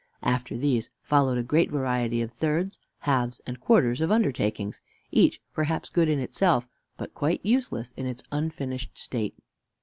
After these, followed a great variety of thirds, halves, and quarters of undertakings, each perhaps good in itself, but quite useless in its unfinished state.